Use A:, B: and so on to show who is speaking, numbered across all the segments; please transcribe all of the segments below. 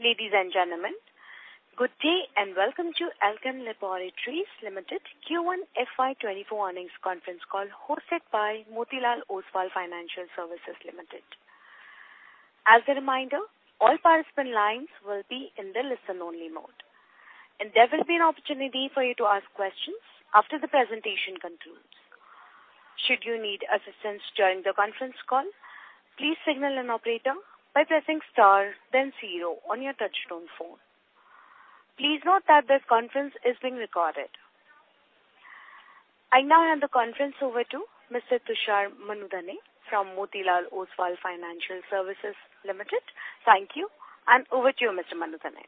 A: Ladies and gentlemen, good day, and welcome to Alkem Laboratories Limited Q1 FY 2024 earnings conference call, hosted by Motilal Oswal Financial Services Limited. As a reminder, all participant lines will be in the listen-only mode, and there will be an opportunity for you to ask questions after the presentation concludes. Should you need assistance during the conference call, please signal an operator by pressing star then 0 on your touchtone phone. Please note that this conference is being recorded. I now hand the conference over to Mr. Tushar Manudhane from Motilal Oswal Financial Services Limited. Thank you, and over to you, Mr. Manudhane.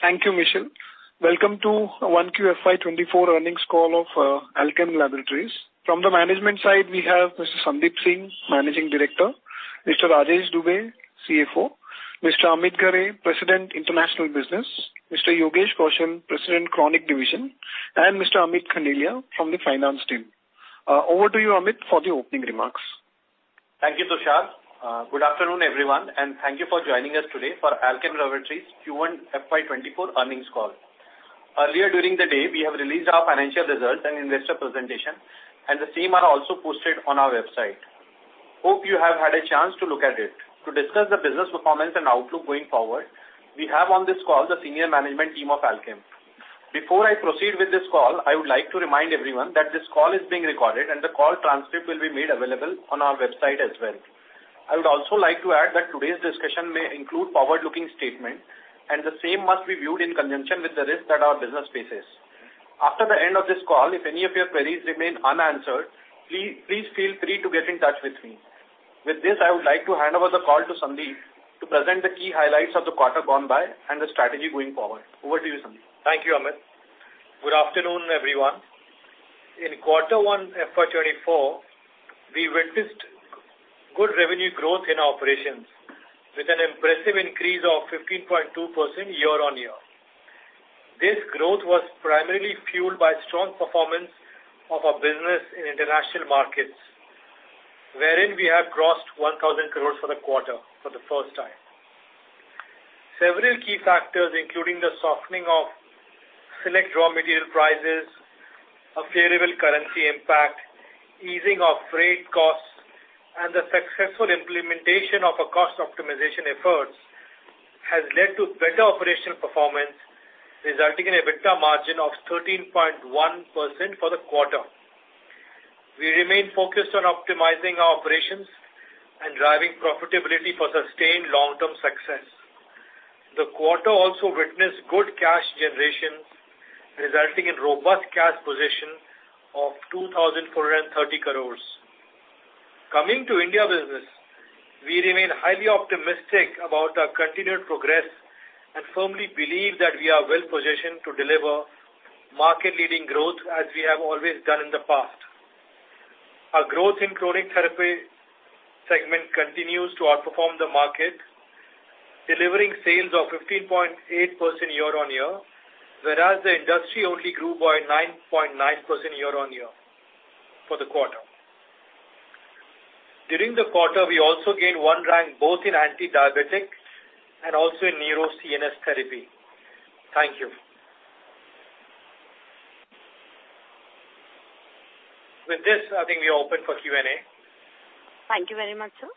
B: Thank you, Michelle. Welcome to 1 QFY 2024 earnings call of Alkem Laboratories. From the management side, we have Mr. Sandeep Singh, Managing Director, Mr. Rajesh Dubey, CFO, Mr. Amit Ghare, President, International Business, Mr. Yogesh Kaushal, President, Chronic Division, and Mr. Amit Khandelwal from the finance team. Over to you, Amit, for the opening remarks.
C: Thank you, Tushar. Good afternoon, everyone, and thank you for joining us today for Alkem Laboratories Q1 FY 2024 earnings call. Earlier during the day, we have released our financial results and investor presentation, and the same are also posted on our website. Hope you have had a chance to look at it. To discuss the business performance and outlook going forward, we have on this call the senior management team of Alkem. Before I proceed with this call, I would like to remind everyone that this call is being recorded, and the call transcript will be made available on our website as well. I would also like to add that today's discussion may include forward-looking statements, and the same must be viewed in conjunction with the risks that our business faces. After the end of this call, if any of your queries remain unanswered, please feel free to get in touch with me. This, I would like to hand over the call to Sandeep to present the key highlights of the quarter gone by and the strategy going forward. Over to you, Sandeep. Thank you, Amit. Good afternoon, everyone. In quarter one FY2024, we witnessed good revenue growth in operations with an impressive increase of 15.2% year-on-year. This growth was primarily fueled by strong performance of our business in international markets, wherein we have crossed 1,000 crore for the quarter for the first time. Several key factors, including the softening of select raw material prices, a favorable currency impact, easing of freight costs, and the successful implementation of our cost optimization efforts, has led to better operational performance, resulting in a EBITDA margin of 13.1% for the quarter. We remain focused on optimizing our operations and driving profitability for sustained long-term success. The quarter also witnessed good cash generation, resulting in robust cash position of 2,430 crore. Coming to India business, we remain highly optimistic about our continued progress and firmly believe that we are well-positioned to deliver market-leading growth as we have always done in the past. Our growth in chronic therapy segment continues to outperform the market, delivering sales of 15.8% year-on-year, whereas the industry only grew by 9.9% year-on-year for the quarter. During the quarter, we also gained one rank, both in antidiabetic and also in Neuro CNS therapy. Thank you. With this, I think we are open for Q&A.
A: Thank you very much, sir.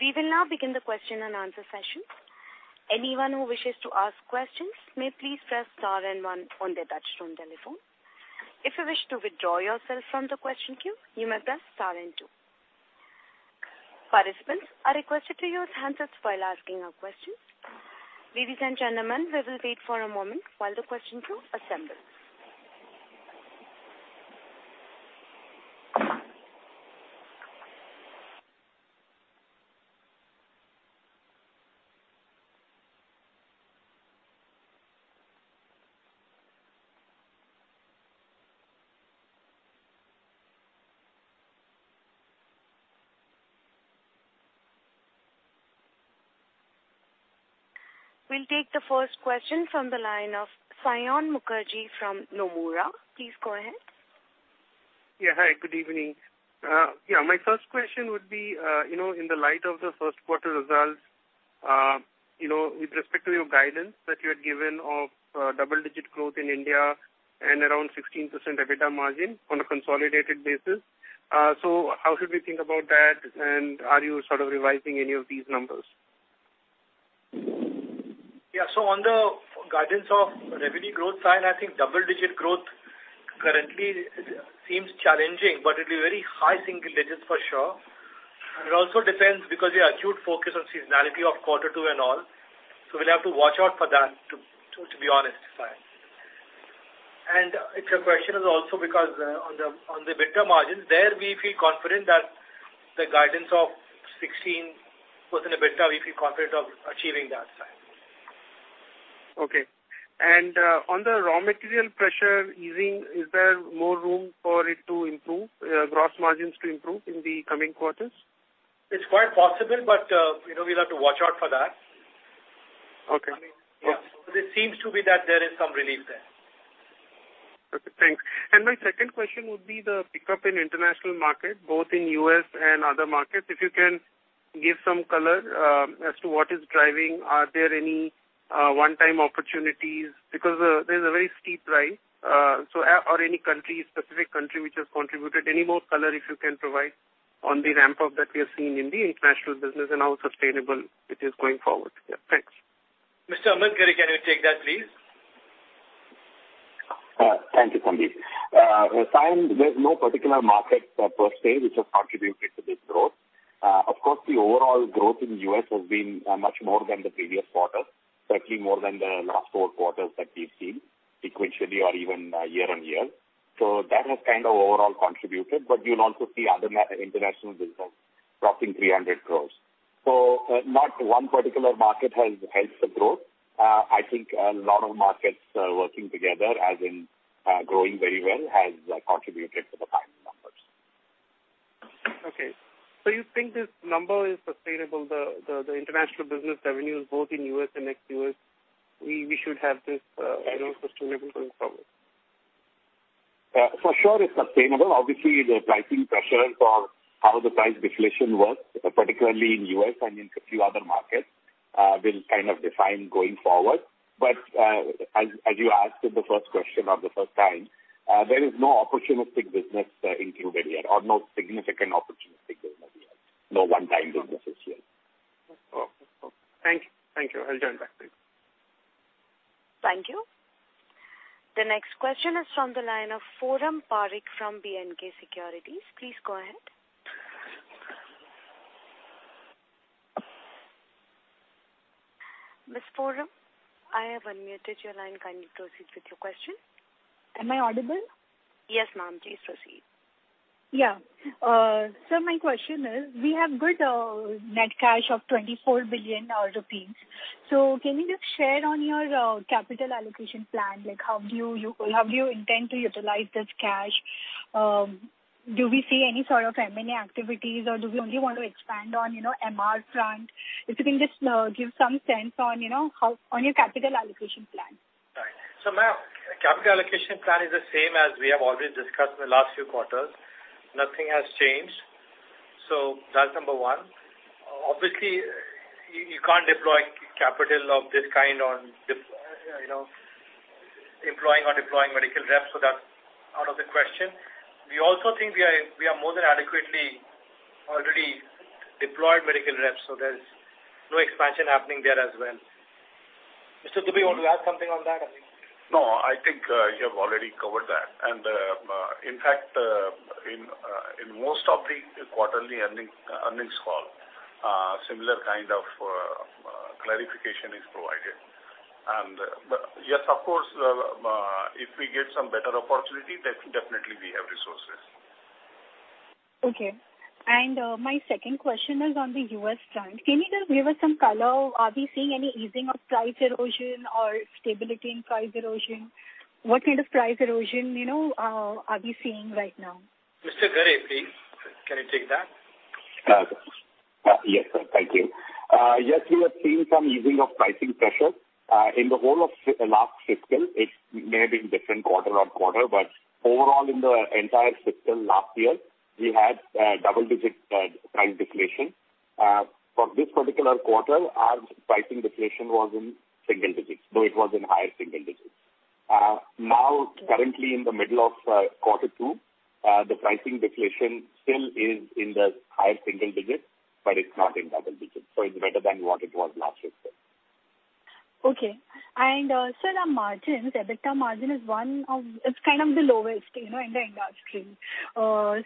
A: We will now begin the question and answer session. Anyone who wishes to ask questions may please press Star and one on their touchtone telephone. If you wish to withdraw yourself from the question queue, you may press Star and two. Participants are requested to use handsets while asking our questions. Ladies and gentlemen, we will wait for a moment while the question queue assembles. We'll take the first question from the line of Saiyon Mukherjee from Nomura. Please go ahead.
D: Yeah. Hi, good evening. Yeah, my first question would be, you know, in the light of the first quarter results, you know, with respect to your guidance that you had given of double-digit growth in India and around 16% EBITDA margin on a consolidated basis. How should we think about that, and are you sort of revising any of these numbers?
C: Yeah. On the guidance of revenue growth side, I think double-digit growth currently seems challenging, but it'll be very high single digits for sure. It also depends because the acute focus on seasonality of Q2 and all, so we'll have to watch out for that, to be honest, Saiyon. If your question is also because on the EBITDA margins, there we feel confident that the guidance of 16% EBITDA, we feel confident of achieving that, Saiyon.
D: Okay. On the raw material pressure easing, is there more room for it to improve, gross margins to improve in the coming quarters?
C: It's quite possible, but, you know, we'll have to watch out for that.
D: Okay.
C: I mean, yeah, it seems to be that there is some relief there.
D: Okay, thanks. My second question would be the pickup in international market, both in U.S. and other markets. If you can give some color as to what is driving, are there any one-time opportunities? There's a very steep rise or any country, specific country, which has contributed. Any more color if you can provide on the ramp-up that we are seeing in the international business and how sustainable it is going forward? Yeah, thanks.
C: Mr. Amit Ghare, can you take that, please?
E: Thank you, Sandeep. There's no particular market per se, which has contributed to this growth. Of course, the overall growth in the U.S. has been much more than the previous quarter, certainly more than the last 4 quarters that we've seen sequentially or even year-over-year. That has kind of overall contributed, but you'll also see other international business crossing 300 crore. Not one particular market has helped the growth. I think a lot of markets, working together, as in, growing very well, has contributed to the final numbers.
D: Okay. So you think this number is sustainable, the, the, the international business revenues, both in US and ex-US, we, we should have this, you know, sustainable going forward?
E: For sure it's sustainable. Obviously, the pricing pressures or how the price deflation works, particularly in U.S. and in a few other markets, will kind of define going forward. As, as you asked in the first question or the first time, there is no opportunistic business, included here or no significant opportunistic business here. No one-time businesses here.
D: Okay. Cool. Thank you. Thank you. I'll join back, please.
A: Thank you. The next question is from the line of Foram Parekh from BNK Securities. Please go ahead. Ms. Foram, I have unmuted your line. Kindly proceed with your question.
F: Am I audible?
A: Yes, ma'am. Please proceed.
F: Yeah. My question is, we have good net cash of 24 billion rupees. Can you just share on your capital allocation plan? Like, how do you, you, how do you intend to utilize this cash? Do we see any sort of M&A activities, or do we only want to expand on, you know, MR front? If you can just give some sense on, you know, how, on your capital allocation plan.
C: Right. Ma'am, capital allocation plan is the same as we have already discussed in the last few quarters. Nothing has changed. That's number 1. Obviously, you, you can't deploy capital of this kind on this, you know, employing or deploying medical reps, so that's out of the question. We also think we are, we are more than adequately already deployed medical reps, so there is no expansion happening there as well. Mr. Dubey, would you add something on that, I think?
G: No, I think, you have already covered that. In fact, in, in most of the quarterly earning, earnings call, similar kind of, clarification is provided. Yes, of course, if we get some better opportunity, then definitely we have resources.
F: Okay. My second question is on the U.S. front. Can you just give us some color? Are we seeing any easing of price erosion or stability in price erosion? What kind of price erosion, you know, are we seeing right now?
C: Mr. Ghare, please, can you take that?
E: Yes, sir. Thank you. Yes, we have seen some easing of pricing pressure. In the whole of last fiscal, it may have been different quarter on quarter, but overall, in the entire fiscal last year, we had double-digit price deflation. For this particular quarter, our pricing deflation was in single digits, though it was in higher single digits. Now, currently in the middle of Q2, the pricing deflation still is in the higher single digits, but it's not in double digits, so it's better than what it was last fiscal.
F: Okay. The margins, EBITDA margin is one of... It's kind of the lowest, you know, in the industry. In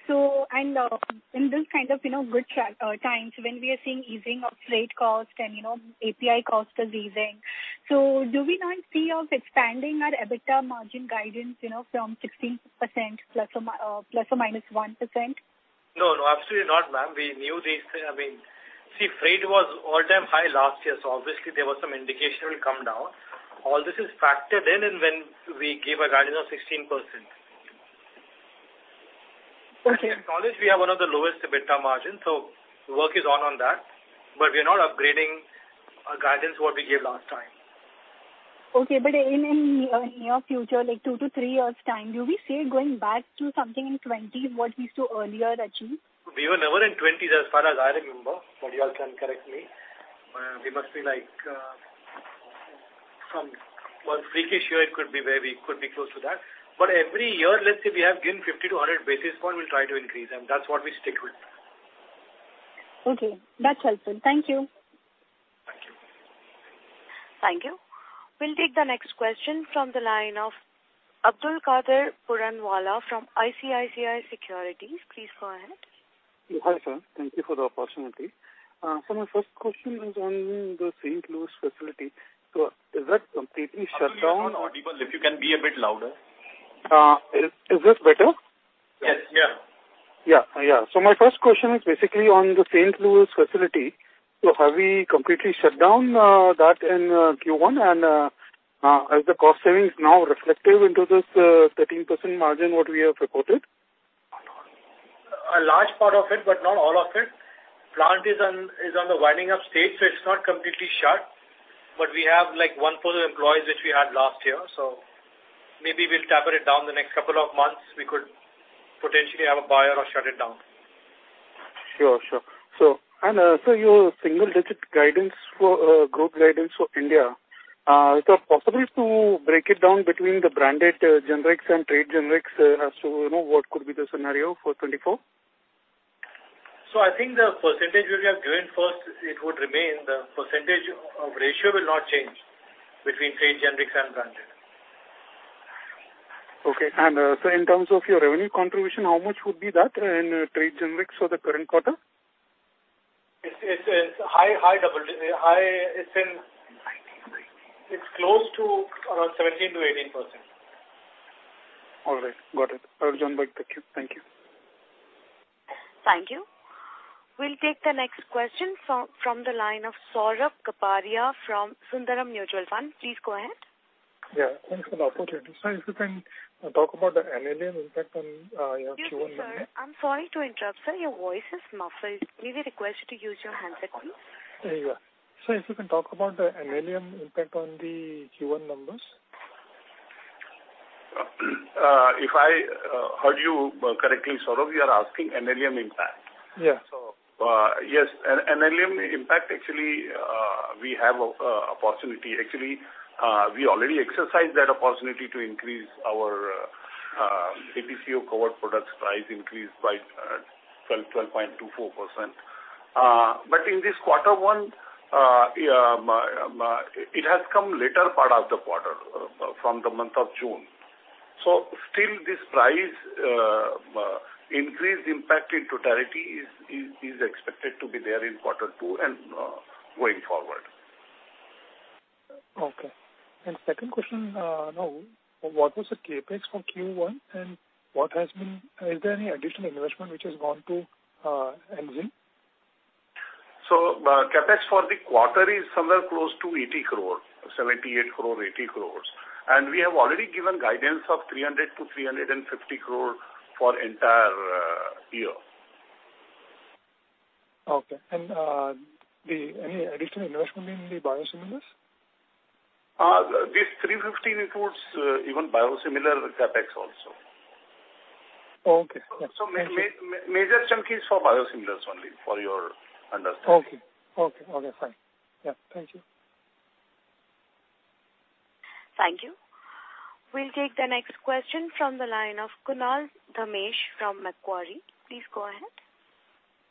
F: this kind of, you know, good track times when we are seeing easing of freight cost and, you know, API cost is easing. Do we not see us expanding our EBITDA margin guidance, you know, from 16% ±1%?
C: No, no, absolutely not, ma'am. We knew this. I mean, see, freight was all-time high last year, so obviously there was some indication it will come down. All this is factored in when we gave a guidance of 16%.
F: Okay.
C: We acknowledge we have one of the lowest EBITDA margins, so work is on on that, but we are not upgrading our guidance what we gave last time.
F: Okay, in, in, near future, like 2-3 years' time, do we see it going back to something in 20, what we saw earlier achieved?
C: We were never in 20s, as far as I remember, but you all can correct me. We must be like, from one freakish year, it could be where we could be close to that. Every year, let's say, we have given 50 to 100 basis point, we'll try to increase, and that's what we stick with.
F: Okay. That's helpful. Thank you.
C: Thank you.
A: Thank you. We'll take the next question from the line of Abdul Kader Puranwala from ICICI Securities. Please go ahead.
H: Hi, sir. Thank you for the opportunity. My first question is on the St. Louis facility. Is that completely shut down or-
C: If you can be a bit louder.
H: Is, is this better?
C: Yes. Yeah.
H: Yeah. Yeah. My first question is basically on the St. Louis facility. Have we completely shut down that in Q1? Is the cost savings now reflective into this 13% margin what we have reported?
C: A large part of it, but not all of it. Plant is on, is on the winding up stage, so it's not completely shut, but we have, like, one-fourth of employees which we had last year. Maybe we'll taper it down the next couple of months. We could potentially have a buyer or shut it down.
H: Sure, sure. So your single-digit guidance for, growth guidance for India, is it possible to break it down between the branded generics and trade generics as to, you know, what could be the scenario for 2024?
C: I think the percentage we have given first, it would remain. The percentage of ratio will not change between trade generics and branded.
H: Okay. In terms of your revenue contribution, how much would be that in trade generics for the current quarter?
C: It's, it's, it's high, high double digi... High, it's in-
G: 19, 19.
C: It's close to around 17%-18%.
H: All right, got it. Arjun, thank you. Thank you.
A: Thank you. We'll take the next question from, from the line of Saurabh Kapadia from Sundaram Mutual Fund. Please go ahead.
I: Yeah, thanks for the opportunity. Sir, if you can talk about the NLEM impact on your Q1-
A: Excuse me, sir. I'm sorry to interrupt, sir. Your voice is muffled. May we request you to use your handset please?
I: There you go. Sir, if you can talk about the NLEM impact on the Q1 numbers.
G: If I heard you correctly, Saurabh, you are asking NLEM impact?
I: Yeah.
G: Yes, N, NLEM impact, actually, we have a, a opportunity. Actually, we already exercised that opportunity to increase our DPCO covered products price increase by 12, 12.24%. In this quarter one, it has come later part of the quarter, from the month of June. Still this price, increase impact in totality is, is, is expected to be there in quarter two and going forward.
I: Okay. Second question, now, what was the CapEx for Q1, and what has been... Is there any additional investment which has gone to Enzene?
G: CapEx for the quarter is somewhere close to 80 crore, 78 crore, 80 crore. We have already given guidance of 300 crore-350 crore for entire year.
I: Okay. any additional investment in the biosimilars?
G: This 350 includes even biosimilar CapEx also.
I: Okay.
G: Major chunk is for biosimilars only, for your understanding.
I: Okay. Okay, okay, fine. Yeah. Thank you.
A: Thank you. We'll take the next question from the line of Kunal Dhamesha from Macquarie. Please go ahead.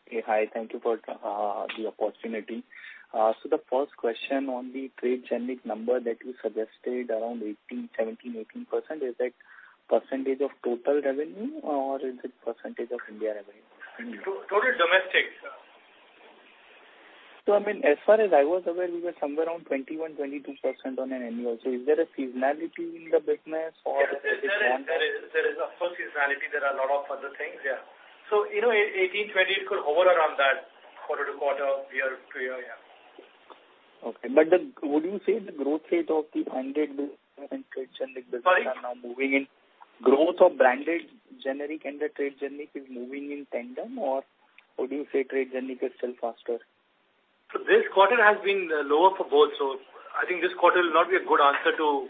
J: Hey. Hi, thank you for the opportunity. The first question on the trade generic number that you suggested around 18%, 17%, 18%, is that percentage of total revenue or is it percentage of India revenue?
C: Total domestic, sir.
J: I mean, as far as I was aware, we were somewhere around 21%-22% on an annual. Is there a seasonality in the business or?
C: Yeah, there is, there is, there is a full seasonality. There are a lot of other things, yeah. You know, 18, 20, it could hover around that quarter-to-quarter, year-to-year, yeah.
J: Okay. Would you say the growth rate of the branded business and trade generic business are now moving in-
C: Sorry?
J: Growth of branded generic and the trade generic is moving in tandem, or would you say trade generic is still faster?
C: This quarter has been lower for both. I think this quarter will not be a good answer to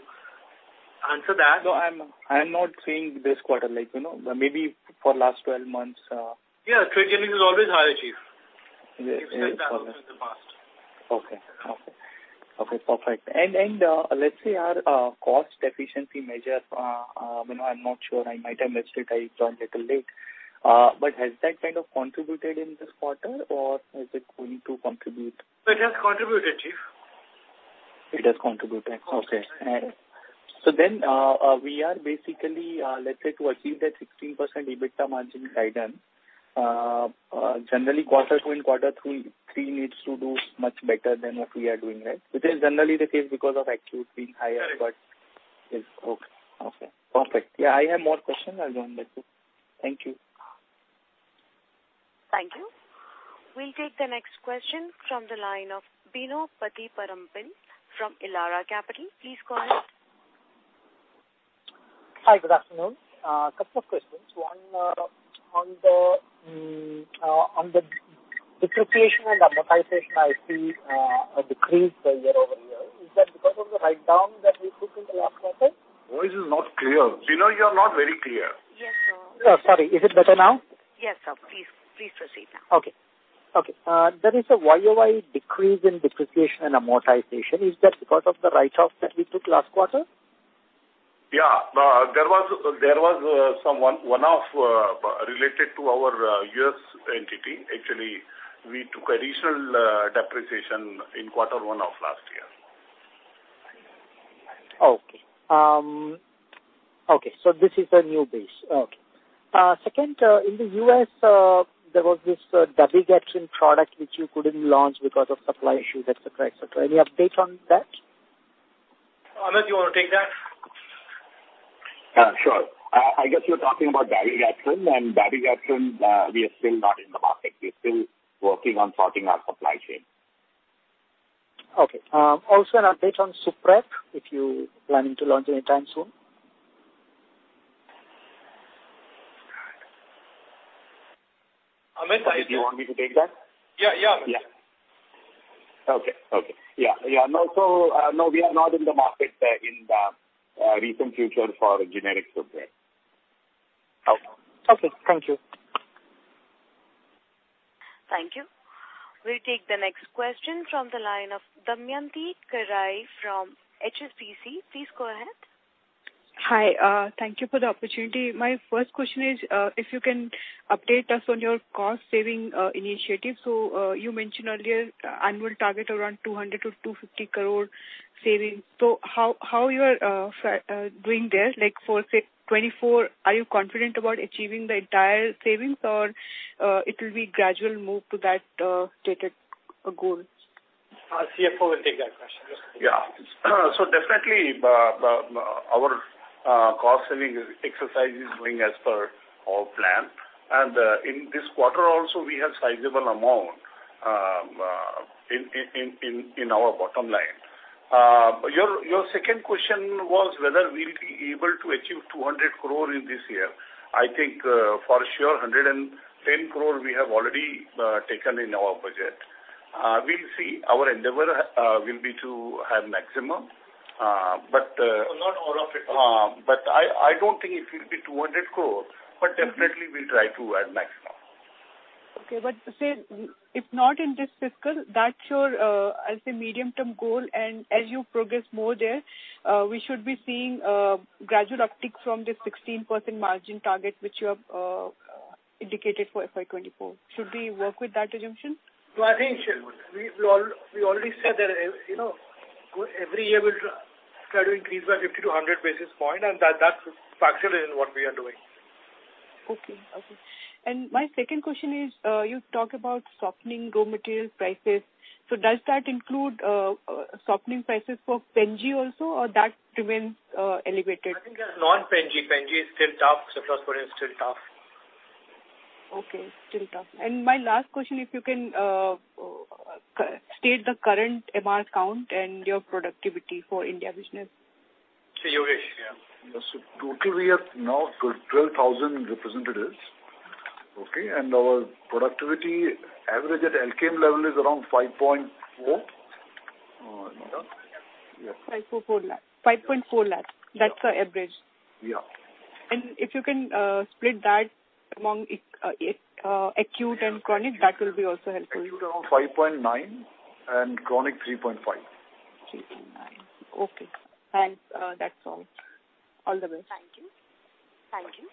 C: answer that.
J: I'm, I'm not saying this quarter, like, you know, maybe for last 12 months.
C: Yeah, trade generic is always higher, Chief.
J: Yeah.
C: It's like that in the past.
J: Okay. Okay. Okay, perfect. Let's say our cost efficiency measure, you know, I'm not sure, I might have missed it, I joined little late. Has that kind of contributed in this quarter or is it going to contribute?
C: It has contributed, Chief.
J: It has contributed.
C: Okay.
J: We are basically, let's say, to achieve that 16% EBITDA margin guidance, generally Q2 and Q3 needs to do much better than what we are doing, right? Which is generally the case because of actually it being higher.
C: Right.
J: Okay. Okay, perfect. Yeah, I have more questions. I'll join back you. Thank you.
A: Thank you. We'll take the next question from the line of Bino Pathiparampil from Elara Capital. Please go ahead.
K: Hi, good afternoon. Couple of questions. One, on the, on the depreciation and amortization, I see a decrease year-over-year. Is that because of the write down that we took in the last quarter?
G: Voice is not clear. Bino, you are not very clear.
A: Yes, sir.
K: Sorry. Is it better now?
A: Yes, sir. Please, please proceed now.
K: Okay. Okay, there is a YOY decrease in depreciation and amortization. Is that because of the write-off that we took last quarter?
G: There was, there was some 1-off related to our U.S. entity. Actually, we took additional depreciation in quarter one of last year.
K: Okay. Okay, so this is the new base. Okay. Second, in the U.S., there was this double action product, which you couldn't launch because of supply issues, et cetera, et cetera. Any update on that?
C: Amit, you want to take that?
G: Sure. I guess you're talking about double action, and double action, we are still not in the market. We are still working on sorting our supply chain.
D: Okay. Also an update on Suprep, if you planning to launch any time soon?
C: Am I-
G: Do you want me to take that?
C: Yeah, yeah.
G: Yeah. Okay. Okay. Yeah, yeah. No, no, we are not in the market, in the recent future for generic Suprep.
D: Oh, okay. Thank you.
A: Thank you. We'll take the next question from the line of Damayanti Kerai from HSBC. Please go ahead.
L: Hi. Thank you for the opportunity. My first question is, if you can update us on your cost saving initiative. You mentioned earlier annual target around 200 crore-250 crore savings. How you are doing there? Like for, say, 2024, are you confident about achieving the entire savings or it will be gradual move to that stated goal?
C: Our CFO will take that question.
G: Yeah. Definitely, our cost saving exercise is going as per our plan. In this quarter also, we have sizable amount in our bottom line. Your second question was whether we'll be able to achieve 200 crore in this year. I think, for sure, 110 crore we have already taken in our budget. We'll see. Our endeavor will be to have maximum, but.
C: Not all of it.
G: I, I don't think it will be 200 crore, but definitely we'll try to add maximum.
L: Okay, but say, if not in this fiscal, that's your, I'll say, medium-term goal, and as you progress more there, we should be seeing, gradual upticks from the 16% margin target, which you have, indicated for FY 2024. Should we work with that assumption?
C: Well, I think she would. We've we already said that, you know, go every year we'll try to increase by 50-100 basis point, and that, that's actually what we are doing.
L: Okay. Okay. My second question is, you talk about softening raw material prices. Does that include softening prices for Penicillin G also, or that remains elevated?
C: I think that's non-Penicillin G. Penicillin G is still tough. Cefoperazone is still tough.
L: Okay, still tough. My last question, if you can state the current MR count and your productivity for India business?
C: Sure, Yogesh, yeah.
G: Total, we have now 12,000 representatives, okay? Our productivity average at Alkem level is around 5.4.
L: INR 544 lakhs. INR 5.4 lakhs.
G: Yeah.
L: That's our average.
G: Yeah.
L: If you can split that among acute and chronic, that will be also helpful.
G: Acute around 5.9 and chronic 3.5.
L: 3.9. Okay. That's all. All the best.
A: Thank you. Thank you.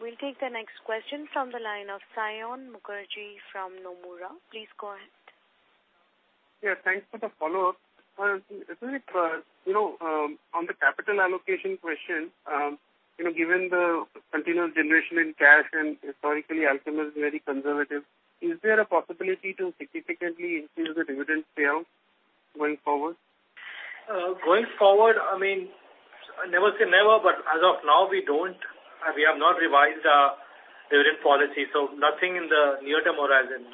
A: We'll take the next question from the line of Saion Mukherjee from Nomura. Please go ahead.
D: Yeah, thanks for the follow-up. Isn't it, you know, on the capital allocation question, you know, given the continuous generation in cash and historically, Alkem is very conservative, is there a possibility to significantly increase the dividend payout going forward?
C: Going forward, I mean, never say never, but as of now, we don't. We have not revised our dividend policy, so nothing in the near term or as in,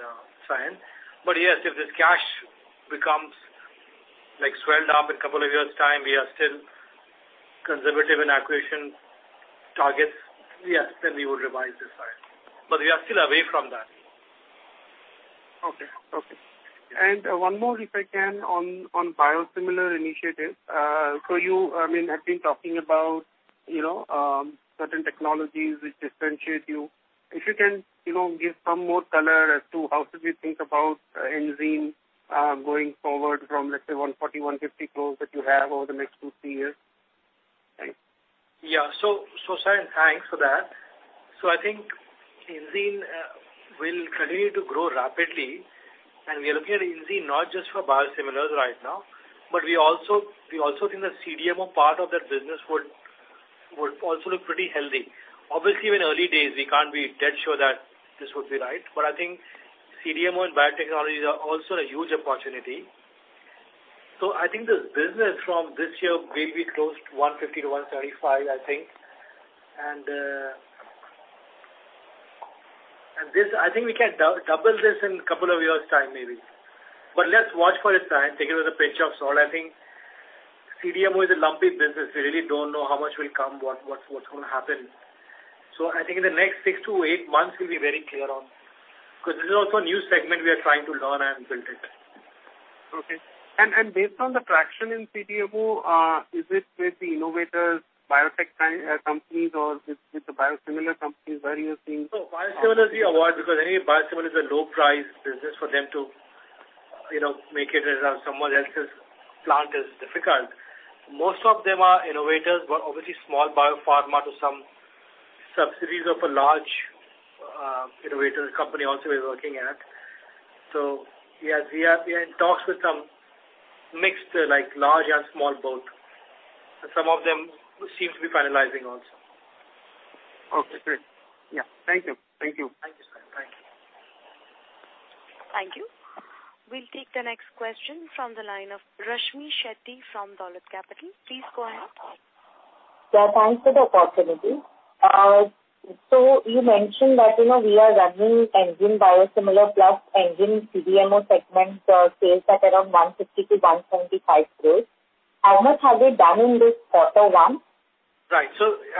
C: science. Yes, if this cash becomes, like, swelled up in a couple of years' time, we are still conservative in acquisition targets, yes, then we will revise this side. We are still away from that.
D: Okay. Okay. One more, if I can, on biosimilar initiative. You, I mean, have been talking about, you know, certain technologies which differentiate you. If you can, you know, give some more color as to how do we think about Enzene going forward from, let's say, 140-150 crore that you have over the next two, three years? Thanks.
C: Yeah. Saion, thanks for that. I think Enzene will continue to grow rapidly, and we are looking at Enzene not just for biosimilars right now, but we also, we also think the CDMO part of that business would, would also look pretty healthy. Obviously, in early days, we can't be dead sure that this would be right, but I think CDMO and bio technologies are also a huge opportunity. I think the business from this year will be close to 150-135, I think. This, I think we can dou- double this in a couple of years' time, maybe. Let's watch for a time, take it with a pinch of salt. I think CDMO is a lumpy business. We really don't know how much will come, what, what, what's going to happen. I think in the next six to eight months, we'll be very clear on, because this is also a new segment we are trying to learn and build it.
D: Okay. Based on the traction in CDMO, is it with the innovators, biotech companies, or with the biosimilar companies, where are you seeing?
C: Biosimilar is the award, because any biosimilar is a low price business for them to, you know, make it as someone else's plant is difficult. Most of them are innovators, but obviously small biopharma to some subsidiaries of a large innovators company also we're working at. Yes, we are, we are in talks with some mixed, like, large and small, both. Some of them seem to be finalizing also.
D: Okay, great. Yeah. Thank you. Thank you.
C: Thank you, Saion. Thank you.
A: Thank you. We'll take the next question from the line of Rashmi Shetty from Dolat Capital. Please go ahead.
M: Yeah, thanks for the opportunity. You mentioned that, you know, we are running Enzene biosimilar plus Enzene CDMO segment, sales are around 150 crore-175 crore. How much have we done in this quarter one?
C: Right.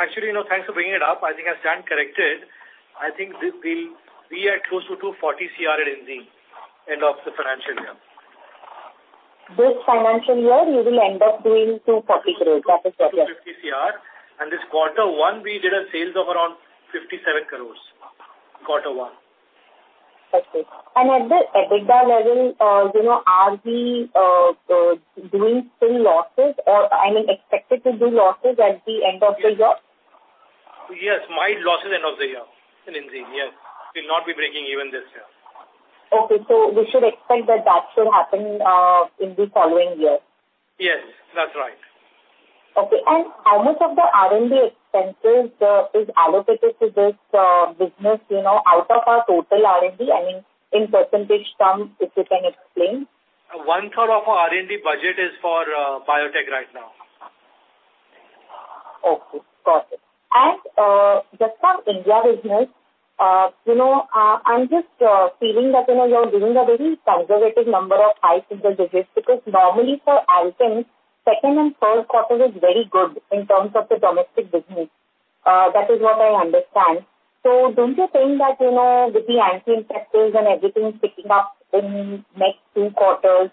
C: Actually, you know, thanks for bringing it up. I think I stand corrected. I think this will be at close to 240 CR in the end of the financial year.
M: This financial year, you will end up doing 240 crore. That is what you-
C: INR 250 crore. This quarter one, we did a sales of around 57 crore. Quarter one.
M: Okay. At the EBITDA level, you know, are we doing still losses or, I mean, expected to do losses at the end of the year?
C: Yes, mild losses end of the year, in Enzene, yes. We'll not be breaking even this year.
M: Okay. We should expect that, that should happen, in the following year.
C: Yes, that's right.
M: Okay. How much of the R&D expenses is allocated to this business, you know, out of our total R&D? I mean, in percentage terms, if you can explain.
C: One-third of our R&D budget is for biotech right now.
M: Okay, got it. Just on India business, you know, I'm just, feeling that, you know, you're giving a very conservative number of high single digits, because normally for Alkem, second and third quarter is very good in terms of the domestic business. That is what I understand. Don't you think that, you know, with the anti-inflammatories and everything is picking up in next two quarters,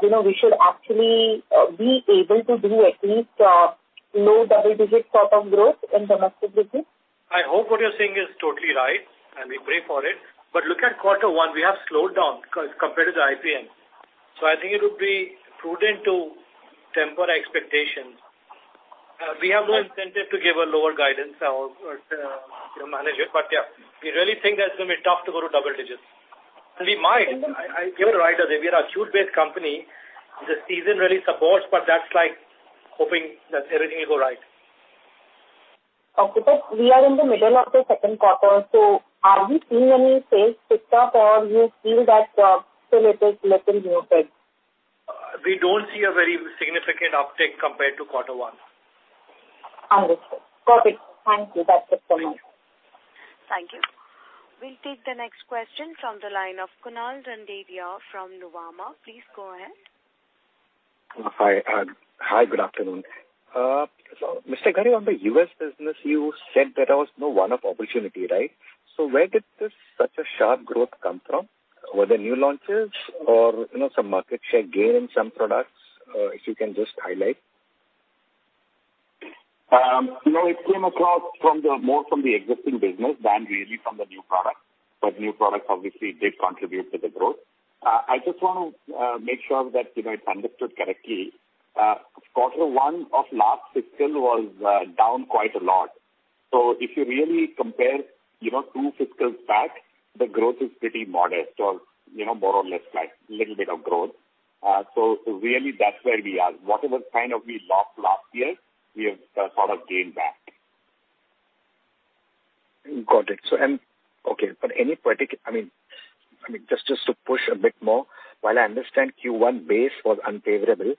M: you know, we should actually, be able to do at least, low double-digit sort of growth in domestic business?
C: I hope what you're saying is totally right, and we pray for it. Look at quarter one, we have slowed down compared to the IPM. I think it would be prudent to temper our expectations. We have no incentive to give a lower guidance or manage it, but, yeah, we really think that it's going to be tough to go to double digits. We might. I, you're right, Azevi, we are a acute-based company. The season really supports, but that's like hoping that everything will go right.
M: Okay. We are in the middle of the second quarter, so are we seeing any sales pick up, or you feel that still it is less than your said?
C: We don't see a very significant uptick compared to quarter one.
M: Understood. Got it. Thank you. That's it for me.
A: Thank you. We'll take the next question from the line of Kunal Randeria from Nuvama. Please go ahead.
N: Hi. Hi, good afternoon. Mr. Gadiyada, on the U.S. business, you said there was no one-off opportunity, right? Where did this such a sharp growth come from? Were there new launches or, you know, some market share gain in some products, if you can just highlight?
C: No, it came across from the, more from the existing business than really from the new products, but new products obviously did contribute to the growth. I just want to make sure that, you know, it's understood correctly. Q1 of last fiscal was down quite a lot. If you really compare, you know, 2 fiscals back, the growth is pretty modest or, you know, more or less like little bit of growth. Really that's where we are. Whatever kind of we lost last year, we have sort of gained back.
N: Got it. okay, but I mean, I mean, just, just to push a bit more, while I understand Q1 base was unfavorable,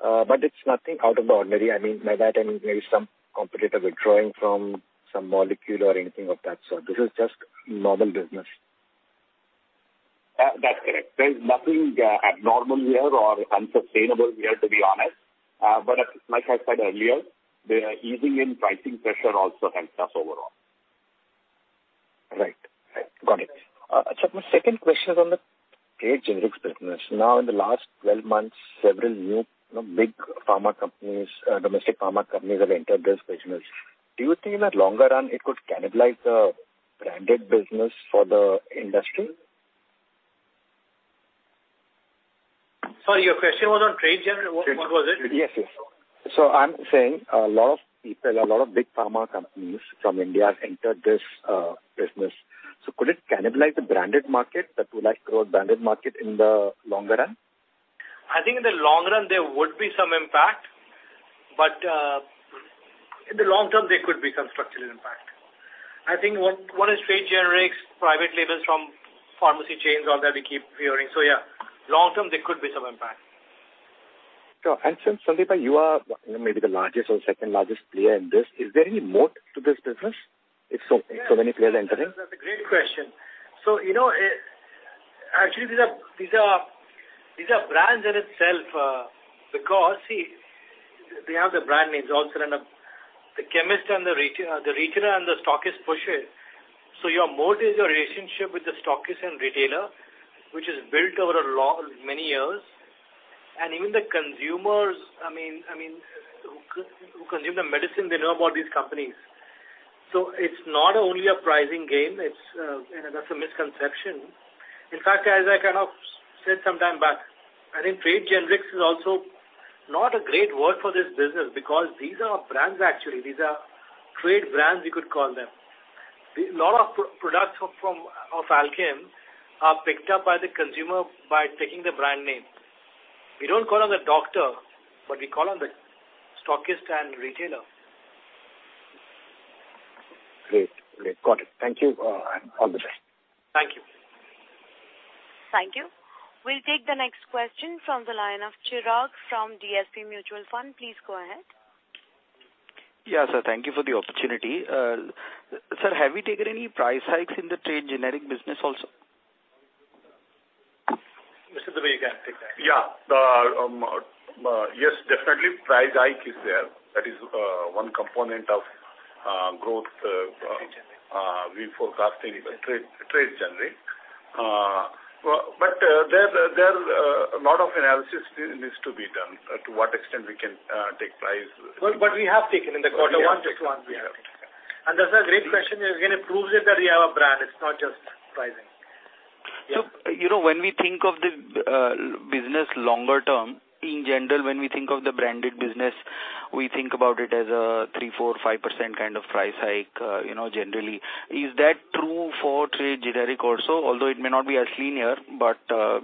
N: but it's nothing out of the ordinary. I mean, by that, I mean, maybe some competitors withdrawing from some molecule or anything of that sort. This is just normal business.
C: That's correct. There's nothing abnormal here or unsustainable here, to be honest. Like I said earlier, the easing in pricing pressure also helps us overall.
N: Right. Got it. My second question is on the trade generics business. Now, in the last 12 months, several new, you know, big pharma companies, domestic pharma companies have entered this business. Do you think in the longer run, it could cannibalize the branded business for the industry?
C: Sorry, your question was on trade generic? What was it?
N: Yes, yes. I'm saying a lot of people, a lot of big pharma companies from India have entered this business. Could it cannibalize the branded market that would like to grow branded market in the longer run?
C: I think in the long run, there would be some impact, but in the long term, there could be some structural impact. I think one is trade generics, private labels from pharmacy chains, all that we keep hearing. Yeah, long term, there could be some impact.
N: Sure. Since, Sandip, you are maybe the largest or second largest player in this, is there any moat to this business? If so, so many players entering.
C: That's a great question. You know, actually, these are brands in itself, because, see, they have the brand names also, and the, the chemist and the retailer, the retailer and the stockist push it. Your moat is your relationship with the stockist and retailer, which is built over a long, many years. Even the consumers, I mean, I mean, who consume the medicine, they know about these companies. It's not only a pricing game. It's, you know, that's a misconception. In fact, as I kind of said some time back, I think trade generics is also not a great word for this business because these are brands actually. These are trade brands, we could call them. Lot of pro-products from Alkem are picked up by the consumer by taking the brand name. We don't call on the doctor, but we call on the stockist and retailer....
G: Great, great. Got it. Thank you, and all the best.
C: Thank you.
A: Thank you. We'll take the next question from the line of Chirag from DSP Mutual Fund. Please go ahead.
O: Yeah, sir, thank you for the opportunity. Sir, have you taken any price hikes in the trade generic business also?
C: Mr. Dubey, you can take that.
G: Yeah. Yes, definitely price hike is there. That is, one component of, growth, we forecasting trade, trade generic. There, there, a lot of analysis needs to be done, to what extent we can, take price.
C: We have taken in the quarter, 1 just 1.
G: We have.
C: That's a great question. Again, it proves it that we have a brand, it's not just pricing.
O: You know, when we think of the business longer term, in general, when we think of the branded business, we think about it as a 3%, 4%, 5% kind of price hike, you know, generally. Is that true for trade generic also? Although it may not be as linear, but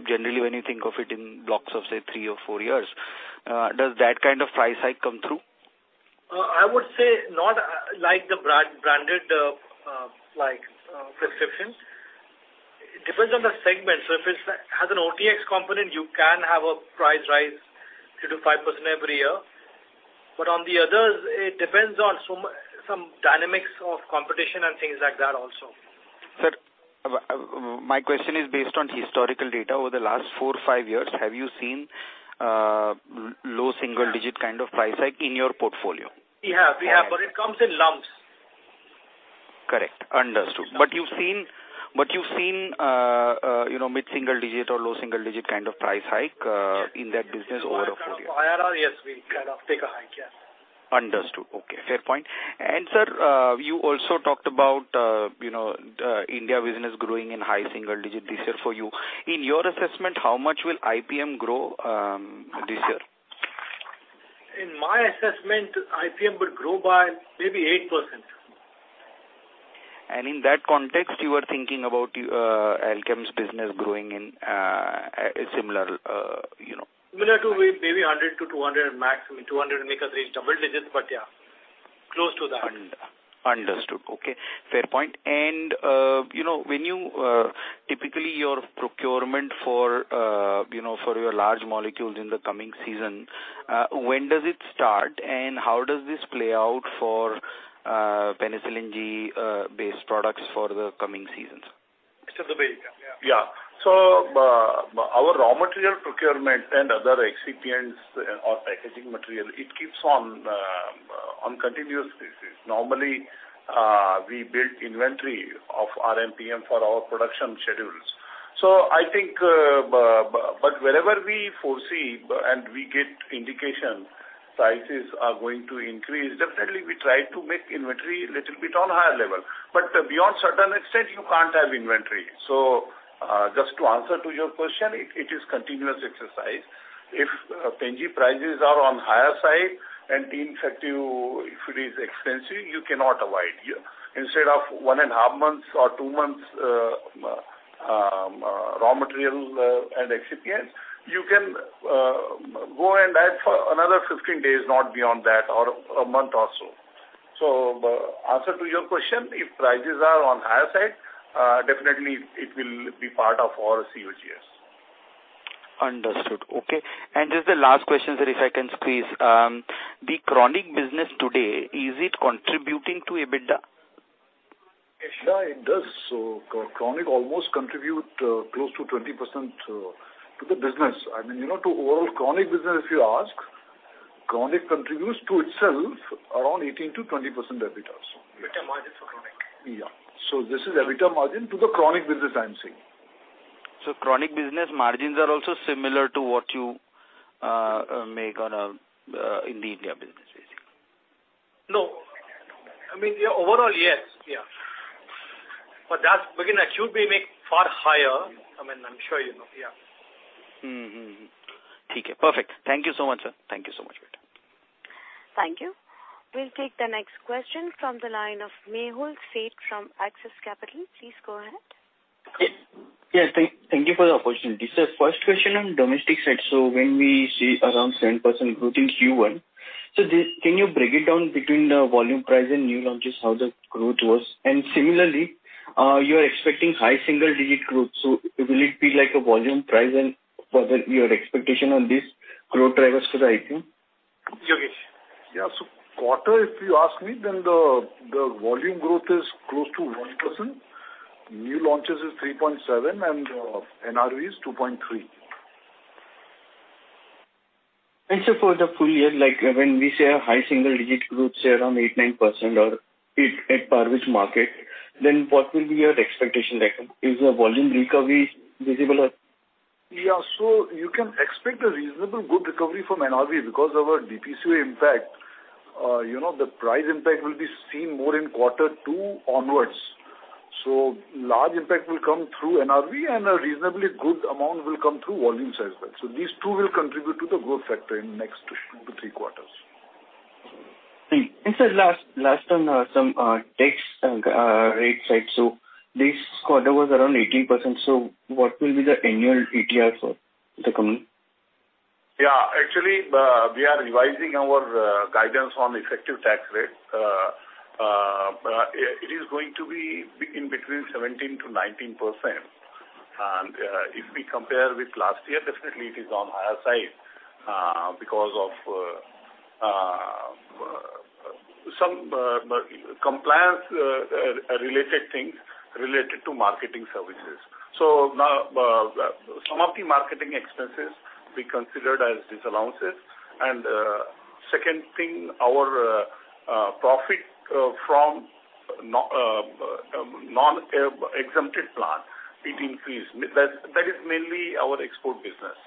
O: generally, when you think of it in blocks of, say, 3 or 4 years, does that kind of price hike come through?
C: I would say not like the brand, branded, like prescriptions. It depends on the segment. If it's has an OTX component, you can have a price rise 3%-5% every year. On the others, it depends on some, some dynamics of competition and things like that also.
O: Sir, my question is based on historical data. Over the last 4, 5 years, have you seen low single-digit kind of price hike in your portfolio?
C: We have, we have, but it comes in lumps.
O: Correct. Understood. you've seen, but you've seen, you know, mid-single digit or low single digit kind of price hike, in that business over a 4 year?
C: IRR, yes, we kind of take a hike, yes.
O: Understood. Okay, fair point. Sir, you also talked about, you know, the India business growing in high single digit this year for you. In your assessment, how much will IPM grow this year?
C: In my assessment, IPM will grow by maybe 8%.
O: In that context, you are thinking about, Alkem's business growing in, a similar, you know.
C: Similar to maybe 100 to 200, maximum 200, make us reach double digits, but yeah, close to that.
O: understood. Okay, fair point. you know, when you typically, your procurement for, you know, for your large molecules in the coming season, when does it start, and how does this play out for penicillin G based products for the coming seasons?
G: Mr. Dubey, yeah. Yeah. Our raw material procurement and other excipients or packaging material, it keeps on, on continuous basis. Normally, we build inventory of RMPM for our production schedules. I think, but wherever we foresee and we get indication prices are going to increase, definitely we try to make inventory little bit on higher level. Beyond certain extent, you can't have inventory. Just to answer to your question, it, it is continuous exercise. If Penicillin G prices are on higher side, and in fact, you, if it is expensive, you cannot avoid. Instead of one and half months or 2 months, raw material, and excipient, you can go and add for another 15 days, not beyond that, or a month or so. Answer to your question, if prices are on higher side, definitely it will be part of our COGS.
O: Understood. Okay. Just the last question, sir, if I can, please. The chronic business today, is it contributing to EBITDA?
G: Yes, yeah, it does. chronic almost contribute close to 20% to the business. I mean, you know, to overall chronic business, if you ask, chronic contributes to itself around 18%-20% EBITA.
C: EBITA margin for Chronic.
G: Yeah. This is EBITDA margin to the chronic business, I am saying.
O: Chronic business margins are also similar to what you make on a in the India business basically?
C: No. I mean, yeah, overall, yes. Yeah. That's beginning, it should be make far higher. I mean, I'm sure you know. Yeah.
O: Mm-hmm. Perfect. Thank you so much, sir. Thank you so much for it.
A: Thank you. We'll take the next question from the line of Mehul Sheth from Axis Capital. Please go ahead.
P: Yeah, thank, thank you for the opportunity. Sir, first question on domestic side. When we see around 7% growth in Q1, can you break it down between the volume price and new launches, how the growth was? Similarly, you are expecting high single digit growth, so will it be like a volume price and what are your expectation on these growth drivers for the IPM?
C: Yogesh?
G: Yeah, quarter, if you ask me, then the, the volume growth is close to 1%, new launches is 3.7, NRE is 2.3.
P: For the full year, like when we say a high single digit growth, say, around 8, 9% or 8 at par with market, then what will be your expectation like? Is your volume recovery visible or?
G: Yeah, you can expect a reasonable good recovery from NRV because of our DPCO impact. You know, the price impact will be seen more in quarter two onwards. Large impact will come through NRV, and a reasonably good amount will come through volumes as well. These two will contribute to the growth factor in the next two to three quarters.
P: Sir, last, last on some tax rate side. This quarter was around 18%, so what will be the annual ETF for the coming?
G: Yeah, actually, we are revising our guidance on effective tax rate. It is going to be in between 17%-19%. If we compare with last year, definitely it is on higher side because of some compliance related things related to marketing services. Now, some of the marketing expenses we considered as disallowances. Second thing, our profit from no non-exempted plant, it increased. That, that is mainly our export business.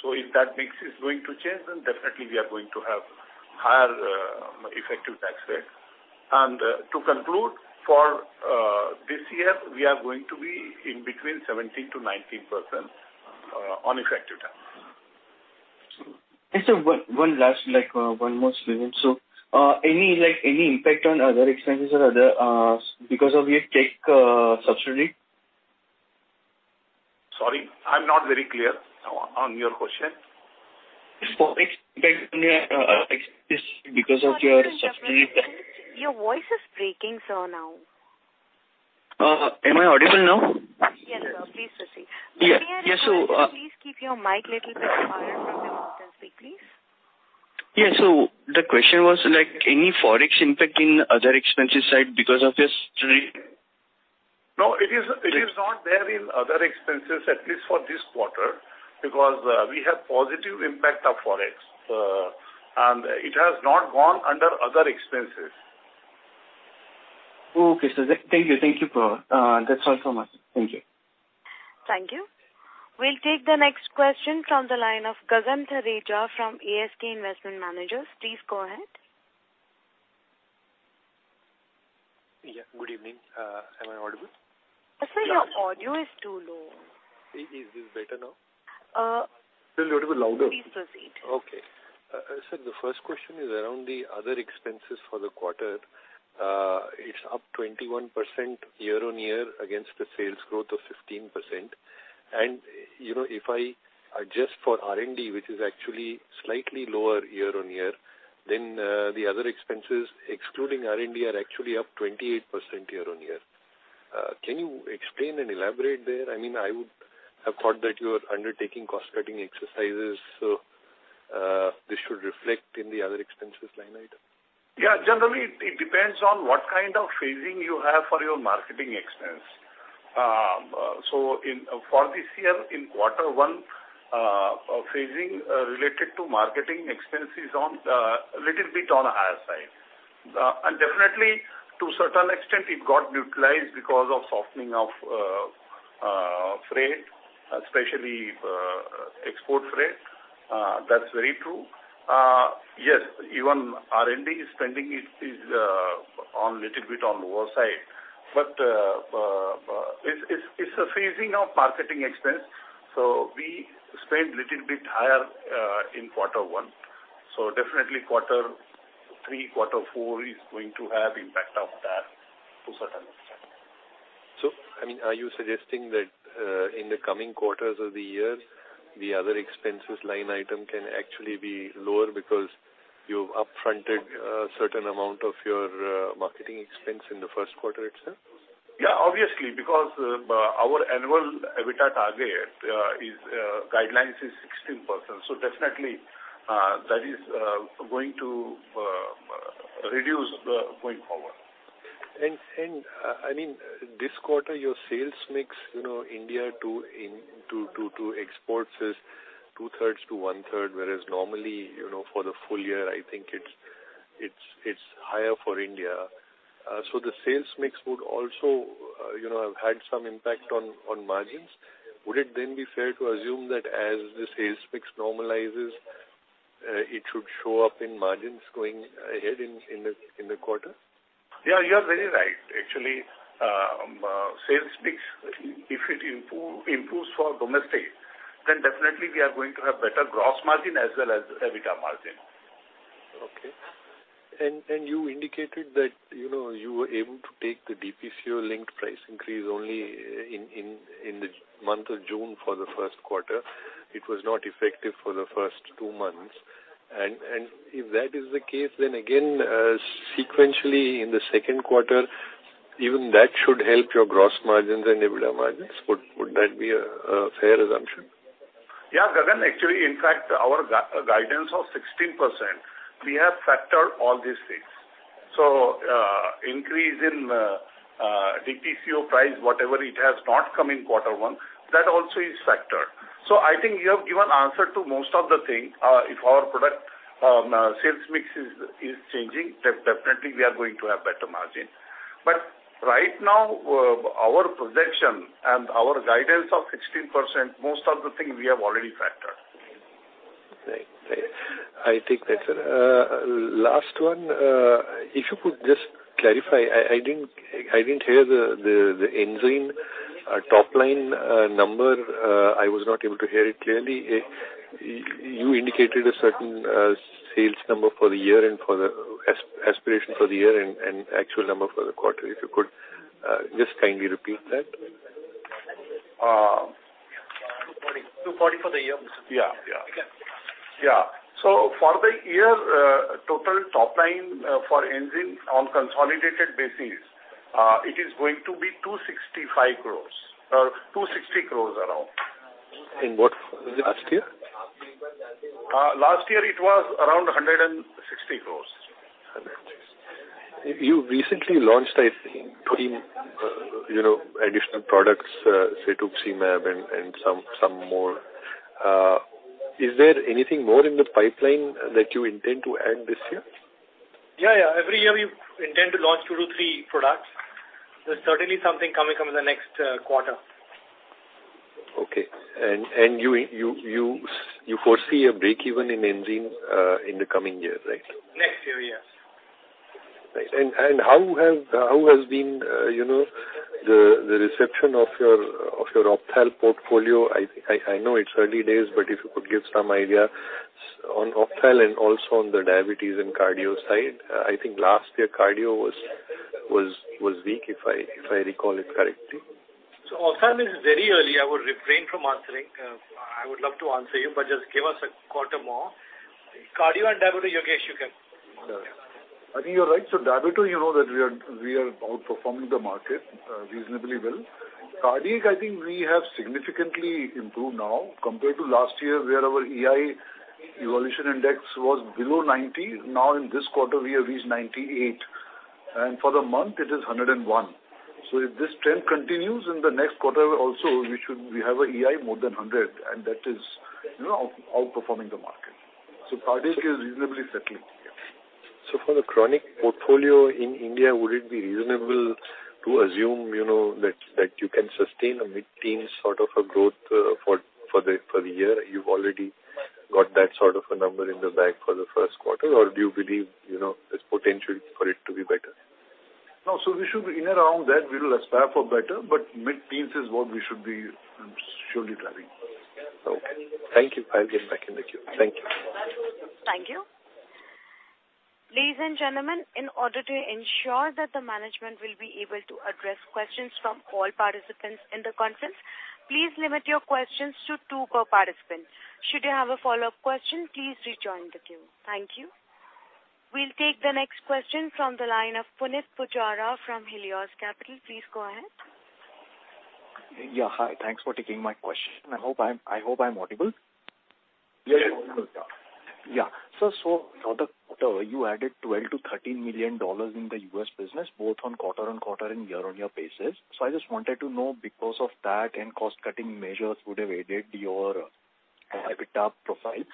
G: If that mix is going to change, then definitely we are going to have higher effective tax rate. To conclude, for this year, we are going to be in between 17%-19% on effective tax.
P: Sir, one last, like, one more question. Any, like, any impact on other expenses or other, because of your take, subsidy?
G: Sorry, I'm not very clear on, on your question.
P: Because of your subsidy.
O: Your voice is breaking, sir, now.
P: Am I audible now?
O: Yes, sir. Please proceed.
P: Yeah. Yes, so,
O: Please keep your mic little bit farther from your mouth as we please.
P: Yeah. The question was like any Forex impact in other expenses side because of this subsidy?
G: No, it is, it is not there in other expenses, at least for this quarter, because, we have positive impact of Forex, and it has not gone under other expenses.
P: Okay, sir. Thank you. Thank you, sir. That's all from us. Thank you.
A: Thank you. We'll take the next question from the line of Gagan Thareja from ASK Investment Managers. Please go ahead.
Q: Yeah, good evening. Am I audible?
O: Sir, your audio is too low.
Q: Is this better now?
O: Uh.
Q: Little bit louder.
O: Please proceed.
Q: Okay. Sir, the first question is around the other expenses for the quarter. It's up 21% year-on-year against the sales growth of 15%. You know, if I adjust for R&D, which is actually slightly lower year-on-year, then the other expenses, excluding R&D, are actually up 28% year-on-year. Can you explain and elaborate there? I mean, I would have thought that you are undertaking cost-cutting exercises, this should reflect in the other expenses line item.
G: Yeah, generally, it, it depends on what kind of phasing you have for your marketing expense. In, for this year, in quarter one, phasing related to marketing expenses on little bit on a higher side. Definitely, to a certain extent, it got neutralized because of softening of freight, especially export freight. That's very true. Yes, even R&D spending is, is on little bit on the lower side, but it's, it's a phasing of marketing expense, so we spend little bit higher in quarter one. Definitely quarter three, quarter four is going to have impact of that to a certain extent.
Q: I mean, are you suggesting that, in the coming quarters of the year, the other expenses line item can actually be lower because you've upfronted a certain amount of your marketing expense in the first quarter itself?
G: Yeah, obviously, because, our annual EBITDA target, is, guidelines is 16%. Definitely, that is, going to, reduce, going forward.
Q: I mean, this quarter, your sales mix, you know, India to exports is 2/3 to 1/3, whereas normally, you know, for the full year, I think it's, it's, it's higher for India. So the sales mix would also, you know, have had some impact on, on margins. Would it then be fair to assume that as the sales mix normalizes, it should show up in margins going ahead in, in the, in the quarter?
G: Yeah, you are very right. Actually, sales mix, if it improve, improves for domestic, then definitely we are going to have better gross margin as well as EBITDA margin.
Q: Okay. You indicated that, you know, you were able to take the DPCO linked price increase only in the month of June for the first quarter. It was not effective for the first 2 months. If that is the case, then again, sequentially in the second quarter, even that should help your gross margins and EBITDA margins. Would that be a fair assumption?
G: Yeah, Gagan, actually, in fact, our guidance of 16%, we have factored all these things. Increase in DPCO price, whatever it has not come in quarter one, that also is factored. I think you have given answer to most of the thing. If our product sales mix is changing, definitely we are going to have better margin. Right now, our projection and our guidance of 16%, most of the thing we have already factored.
Q: Right. Right. I take that, sir. Last one, if you could just clarify, I, I didn't, I didn't hear the, the, the Enzene top line number. I was not able to hear it clearly. You indicated a certain sales number for the year and for the as- aspiration for the year and, and actual number for the quarter. If you could just kindly repeat that?
C: 240, INR 240 for the year.
G: Yeah, yeah.
C: Yeah.
G: Yeah. For the year, total top line, for Enzene on consolidated basis, it is going to be 265 crore, or 260 crore around.
Q: In what, last year?
G: Last year it was around 160 crore.
Q: You recently launched, I think, 3, you know, additional products, Cetuxa and, and some, some more. Is there anything more in the pipeline that you intend to add this year?
C: Yeah, yeah. Every year we intend to launch two to three products. There's certainly something coming up in the next quarter.
Q: Okay. You foresee a break even in Enzene, in the coming years, right?
C: Next year, yes.
Q: Right. And, and how have, how has been, you know, the, the reception of your, of your ophthalmic portfolio? I, I, I know it's early days, but if you could give some idea on ophthalmic and also on the diabetes and cardio side. I think last year, cardio was, was, was weak, if I, if I recall it correctly.
C: Ophthalmic is very early. I would refrain from answering. I would love to answer you, but just give us a quarter more. Cardio and diabetes, Yogesh, you can.
G: I think you're right. Diabetes, you know, that we are, we are outperforming the market reasonably well. Cardiac, I think we have significantly improved now. Compared to last year, where our EI, evolution index, was below 90, now in this quarter, we have reached 98, and for the month, it is 101. If this trend continues in the next quarter also, we have an EI more than 100, and that is, you know, outperforming the market. Cardiac is reasonably settling.
Q: For the chronic portfolio in India, would it be reasonable to assume, you know, that, that you can sustain a mid-teen sort of a growth for, for the, for the year? You've already got that sort of a number in the bag for the first quarter or do you believe, you know, there's potential for it to be better?
G: No, we should be in around that. We will aspire for better. Mid-teens is what we should be surely driving.
Q: Okay. Thank you. I'll get back in the queue. Thank you.
A: Thank you. Ladies and gentlemen, in order to ensure that the management will be able to address questions from all participants in the conference, please limit your questions to 2 per participant. Should you have a follow-up question, please rejoin the queue. Thank you. We'll take the next question from the line of Punit Pujara from Helios Capital. Please go ahead.
R: Yeah, hi. Thanks for taking my question. I hope I'm audible.
G: Yes.
R: Yeah. For the quarter, you added $12 million-$13 million in the U.S. business, both on quarter-on-quarter and year-on-year basis. I just wanted to know, because of that and cost-cutting measures would have aided your EBITDA profile.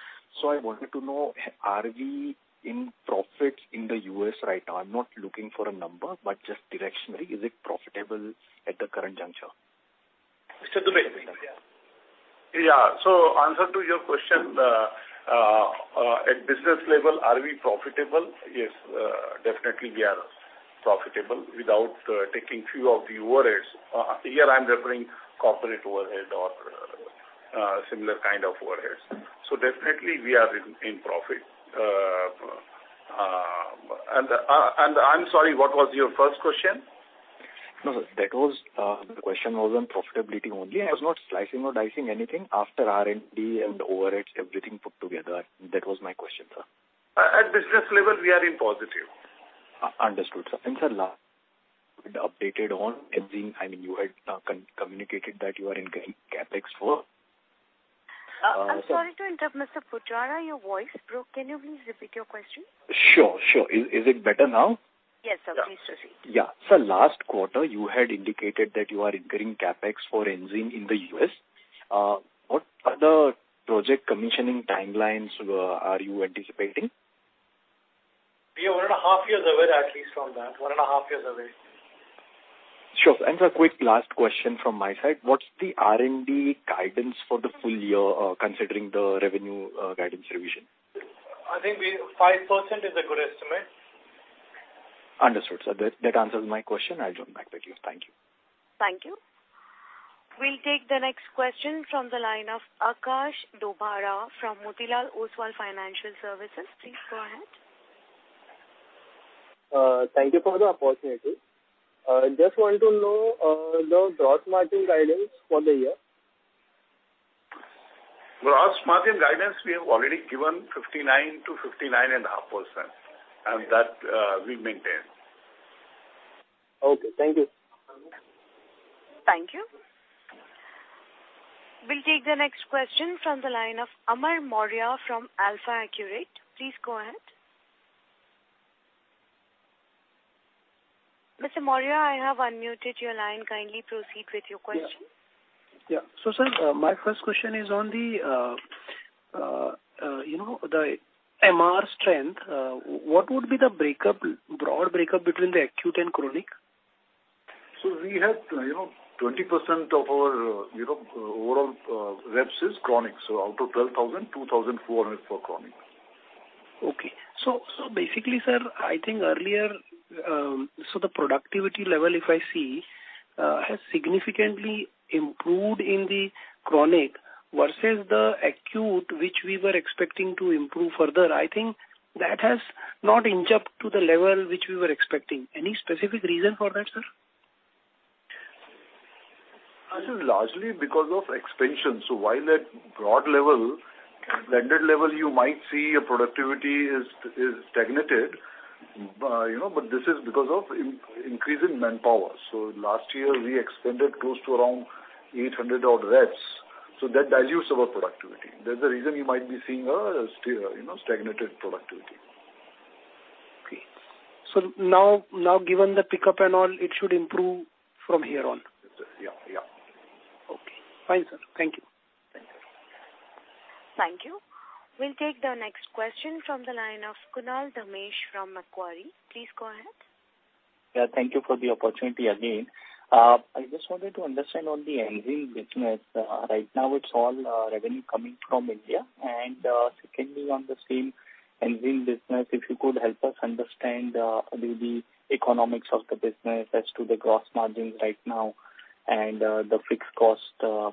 R: I wanted to know, are we in profit in the U.S. right now? I'm not looking for a number, but just directionally, is it profitable at the current juncture?
G: Mr. Dumet.
C: Yeah. Answer to your question, at business level, are we profitable? Yes, definitely we are profitable without taking few of the overheads. Here I'm referring corporate overhead or similar kind of overheads. Definitely we are in profit. And I'm sorry, what was your first question?
R: No, that was, the question was on profitability only. I was not slicing or dicing anything. After RNP and overheads, everything put together. That was my question, sir.
C: At business level, we are in positive.
R: Understood, sir. Sir, last... Updated on Enzene, I mean, you had communicated that you are incurring CapEx.
A: I'm sorry to interrupt, Mr. Pujara, your voice broke. Can you please repeat your question?
R: Sure, sure. Is it better now?
A: Yes, sir. Please proceed.
R: Yeah. Sir, last quarter, you had indicated that you are incurring CapEx for Enzene in the U.S. What are the project commissioning timelines, are you anticipating?
C: We are one and a half years away, at least from that. One and a half years away.
R: Sure. A quick last question from my side. What's the R&D guidance for the full year, considering the revenue, guidance revision?
C: I think we... 5% is a good estimate.
R: Understood, sir. That, that answers my question. I'll join back the queue. Thank you.
A: Thank you. We'll take the next question from the line of Akash Dobaria from Motilal Oswal Financial Services. Please go ahead.
Q: Thank you for the opportunity. Just want to know the gross margin guidance for the year?
G: Gross margin guidance, we have already given 59%-59.5%, and that we maintain.
Q: Okay, thank you.
A: Thank you. We'll take the next question from the line of Amar Maurya from AlfAccurate Advisors. Please go ahead. Mr. Mourya, I have unmuted your line. Kindly proceed with your question.
Q: Yeah. Yeah. Sir, my first question is on the, you know, the MR strength. What would be the breakup, broad breakup between the acute and chronic?
G: We have, you know, 20% of our, you know, overall, reps is chronic. Out of 12,000, 2,400 for chronic.
Q: Okay. basically, sir, I think earlier, the productivity level, if I see, has significantly improved in the Chronic. ...
S: versus the acute, which we were expecting to improve further, I think that has not inched up to the level which we were expecting. Any specific reason for that, sir?
G: This is largely because of expansion. While at broad level, blended level, you might see a productivity is, is stagnated, you know, but this is because of in-increase in manpower. Last year, we expanded close to around 800 odd reps, so that dilutes our productivity. That's the reason you might be seeing a, still, you know, stagnated productivity.
S: Okay. Now, now, given the pickup and all, it should improve from here on?
G: Yes, sir. Yeah, yeah.
S: Okay. Fine, sir. Thank you.
G: Thank you.
A: Thank you. We'll take the next question from the line of Kunal Dhamesha from Macquarie. Please go ahead.
J: Yeah, thank you for the opportunity again. I just wanted to understand on the Enzene business. Right now it's all revenue coming from India. Secondly, on the same Enzene business, if you could help us understand the economics of the business as to the gross margins right now and the fixed cost,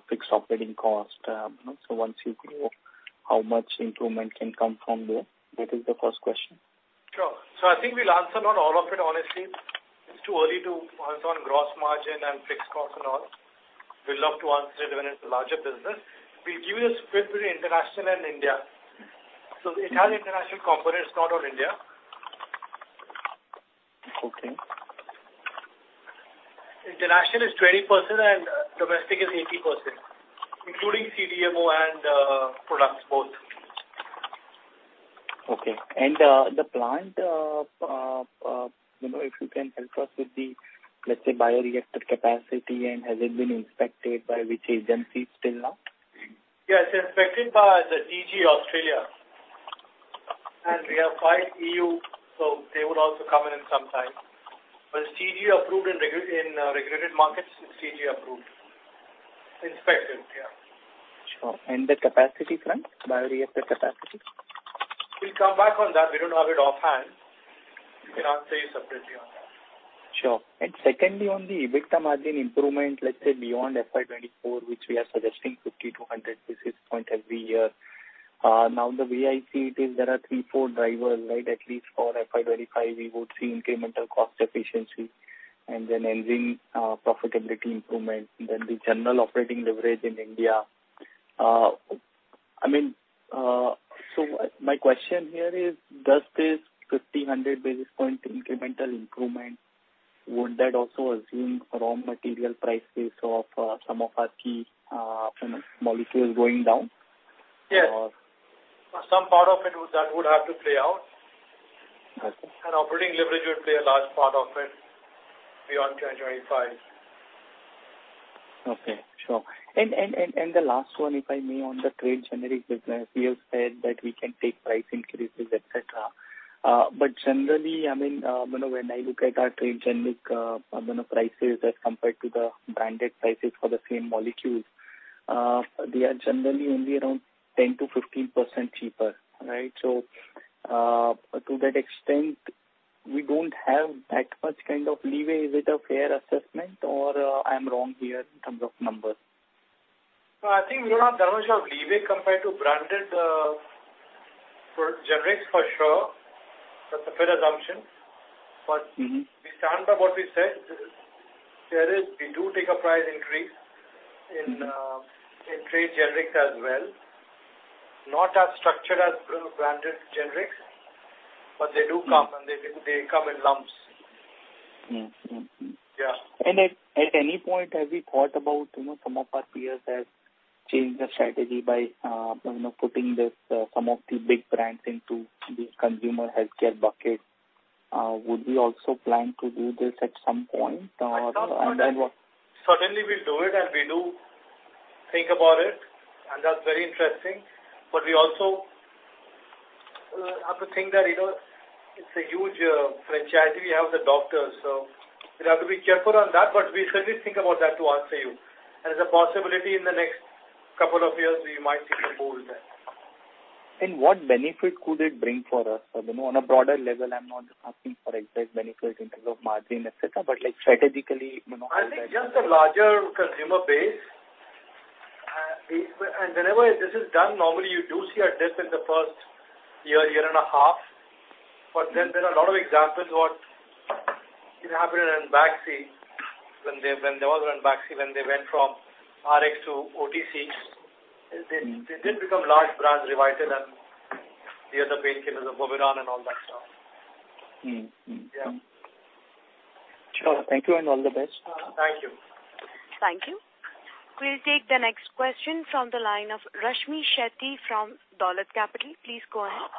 J: fixed operating cost. Once you grow, how much improvement can come from there? That is the first question.
C: Sure. I think we'll answer not all of it, honestly. It's too early to answer on gross margin and fixed cost and all. We'd love to answer it when it's a larger business. We'll give you a split between international and India. It has international components, not on India.
J: Okay.
C: International is 20% and domestic is 80%, including CDMO and products both.
J: Okay. The plant, you know, if you can help us with the, let's say, bioreactor capacity, and has it been inspected by which agency till now?
C: Yeah, it's inspected by the TGA, Australia. We have five EU, so they would also come in in some time. TGA approved in in, regulated markets, it's TGA approved. Inspected, yeah.
J: Sure. The capacity front, bioreactor capacity?
C: We'll come back on that. We don't have it offhand. We can answer you separately on that.
J: Secondly, on the EBITDA margin improvement, let's say beyond FY 2024, which we are suggesting 50 to 100 basis points every year. Now, the way I see it is there are three, four drivers, right? At least for FY 2025, we would see incremental cost efficiency and then Enzene profitability improvement, then the general operating leverage in India. I mean, so my question here is, does this 50, 100 basis points incremental improvement, would that also assume raw material prices of some of our key molecules going down?
C: Yes.
J: Or-
C: For some part of it, that would have to play out.
J: I see.
C: Operating leverage would play a large part of it beyond 2025.
J: Okay, sure. The last one, if I may, on the trade generic business, you said that we can take price increases, et cetera. Generally, I mean, when I look at our trade generic, you know, prices as compared to the branded prices for the same molecules, they are generally only around 10%-15% cheaper, right? To that extent, we don't have that much kind of leeway. Is it a fair assessment or I'm wrong here in terms of numbers?
C: I think we don't have that much of leeway compared to branded, for generics for sure. That's a fair assumption.
J: Mm-hmm.
C: We stand by what we said. There is, we do take a price increase in trade generics as well. Not as structured as branded generics, but they do come, and they, they come in lumps.
J: Mm, mm, mm.
C: Yeah.
J: At, at any point, have you thought about, you know, some of our peers have changed their strategy by, you know, putting this, some of the big brands into the consumer healthcare bucket. Would we also plan to do this at some point? Then what-
C: Certainly, we'll do it, and we do think about it, and that's very interesting. We also have to think that, you know, it's a huge franchise. We have the doctors, so we have to be careful on that, but we certainly think about that to answer you. As a possibility in the next couple of years, we might see more of that.
J: What benefit could it bring for us? You know, on a broader level, I'm not asking for exact benefits in terms of margin, et cetera, but like strategically, you know...
C: I think just a larger consumer base. Whenever this is done, normally you do see a dip in the first year, year and a half. There are a lot of examples what it happened in Ranbaxy, when they was in Ranbaxy, when they went from RX to OTC, they did become large brands, Revited and the other painkillers of Moveran and all that stuff.
J: Mm, mm, mm.
C: Yeah.
J: Sure. Thank you and all the best.
C: Thank you.
A: Thank you. We'll take the next question from the line of Rashmi Shetty from Dolat Capital. Please go ahead.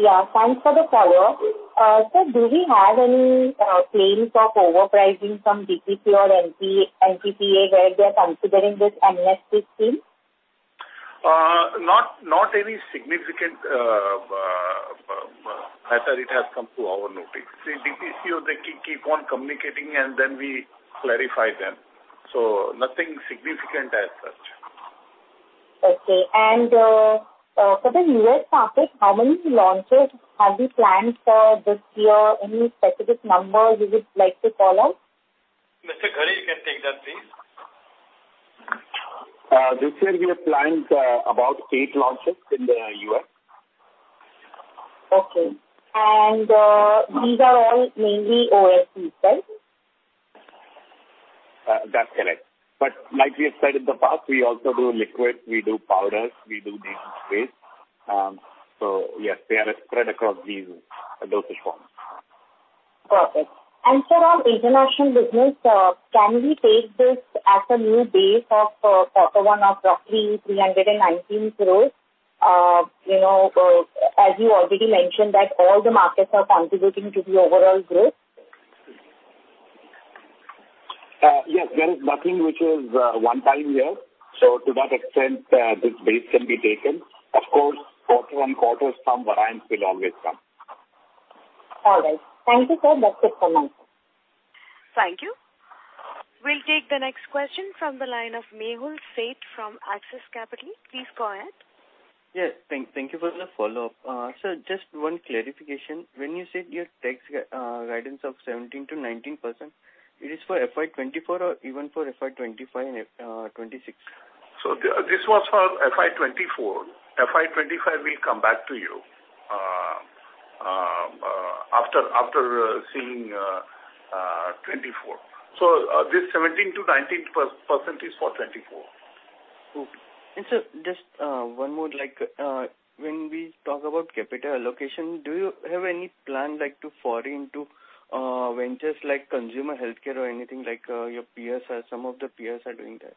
M: Yeah, thanks for the call. Sir, do we have any claims of overpricing from DPCO or NCP, NPPA, where they are considering this amnesty scheme?
G: Not, not any significant, as it has come to our notice. The DPCO, they keep, keep on communicating, and then we clarify them. Nothing significant as such.
M: Okay. For the U.S. market, how many launches have you planned for this year? Any specific numbers you would like to call out?...
C: Mr. Ghare, you can take that, please.
E: This year we have planned, about 8 launches in the U.S.
M: Okay. These are all mainly OSD, right?
E: That's correct. Like we have said in the past, we also do liquids, we do powders, we do nasal sprays. So yes, they are spread across these dosage forms.
M: Perfect. Sir, on international business, can we take this as a new base of, quarter one of roughly 319 crore? You know, as you already mentioned, that all the markets are contributing to the overall growth.
E: Yes, there is nothing which is one time here, so to that extent, this base can be taken. Of course, quarter on quarter, some variance will always come.
M: All right. Thank you, sir. That's it for now.
A: Thank you. We'll take the next question from the line of Mehul Sheth from Axis Capital. Please go ahead.
P: Yes, thank, thank you for the follow-up. Sir, just one clarification. When you said your tax guidance of 17%-19%, it is for FY 2024 or even for FY 2025 and FY 2026?
C: The, this was for FY 2024. FY 2025, we'll come back to you, after, after, seeing, 2024. This 17-19% is for 2024.
P: Okay. Sir, just one more like, when we talk about capital allocation, do you have any plan like to foray into ventures like consumer healthcare or anything like your peers or some of the peers are doing that?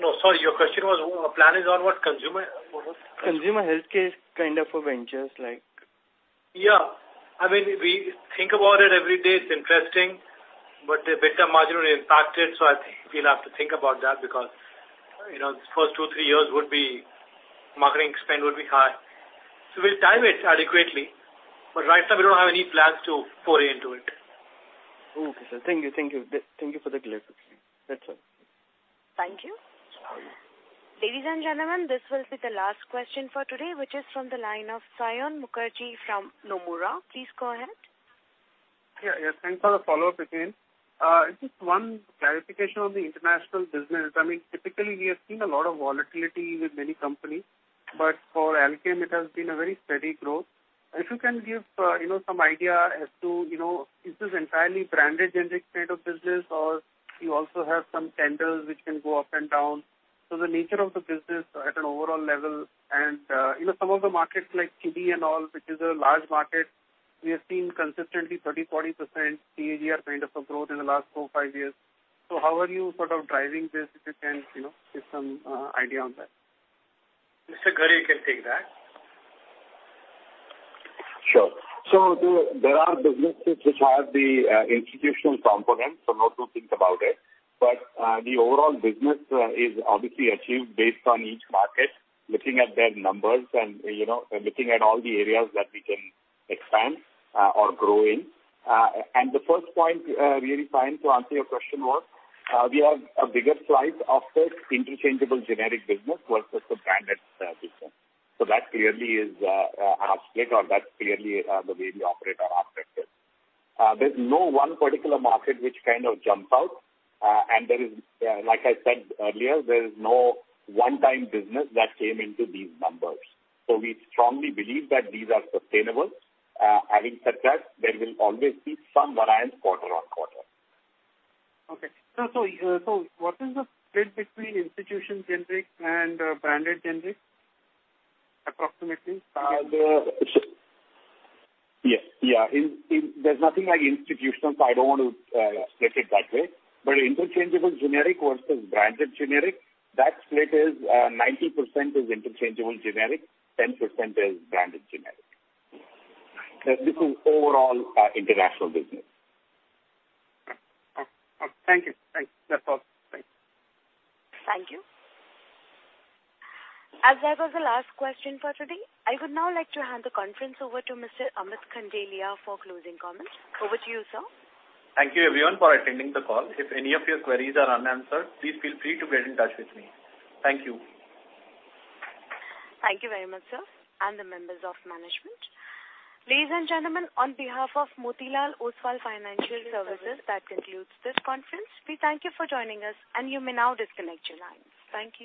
C: No. Sorry, your question was, our plan is on what? Consumer, what?
P: Consumer healthcare is kind of a ventures like.
C: Yeah. I mean, we think about it every day. It's interesting, but the better margin is impacted, so I think we'll have to think about that because, you know, the first two, three years would be, Marketing spend would be high. We'll time it adequately, but right now we don't have any plans to foray into it.
P: Okay, sir. Thank you, thank you. Thank you for the clarity. That's all.
A: Thank you. Ladies and gentlemen, this will be the last question for today, which is from the line of Saion Mukherjee from Nomura. Please go ahead.
D: Yeah, yeah. Thanks for the follow-up again. Just 1 clarification on the international business. I mean, typically, we have seen a lot of volatility with many companies, but for Alkem, it has been a very steady growth. If you can give, you know, some idea as to, you know, is this entirely branded generic kind of business, or you also have some tenders which can go up and down? The nature of the business at an overall level and, you know, some of the markets like KD and all, which is a large market, we have seen consistently 30%-40% CAGR kind of a growth in the last 4-5 years. How are you sort of driving this, if you can, you know, give some idea on that?
C: Mr. Ghare can take that.
E: Sure. There, there are businesses which have the institutional component, so no two things about it. The overall business is obviously achieved based on each market, looking at their numbers and, you know, looking at all the areas that we can expand or grow in. And the first point really trying to answer your question was, we have a bigger slice of the interchangeable generic business versus the branded business. So that clearly is our split, or that's clearly the way we operate our asset base. There's no one particular market which kind of jumps out, and there is, like I said earlier, there is no one-time business that came into these numbers. So we strongly believe that these are sustainable. Having said that, there will always be some variance quarter on quarter.
D: Okay. What is the split between institution generic and branded generic, approximately?
E: There's nothing like institutional, so I don't want to split it that way. Interchangeable generic versus branded generic, that split is 90% is interchangeable generic, 10% is branded generic. This is overall international business.
D: Okay. Thank you. Thank you. That's all. Thanks.
A: Thank you. As that was the last question for today, I would now like to hand the conference over to Mr. Amit Khandelwal for closing comments. Over to you, sir.
C: Thank you everyone for attending the call. If any of your queries are unanswered, please feel free to get in touch with me. Thank you.
A: Thank you very much, sir, and the members of management. Ladies and gentlemen, on behalf of Motilal Oswal Financial Services, that concludes this conference. We thank you for joining us, and you may now disconnect your lines. Thank you.